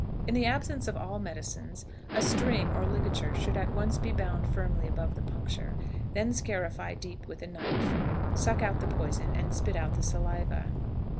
In the absence of all medicines, a string or ligature should at once be bound firmly above the puncture, then scarify deeply with a knife, suck out the poison, and spit out the saliva.